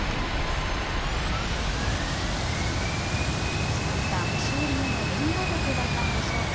藤井二冠、勝利への原動力だったんでしょうか。